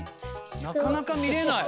なかなかみれない。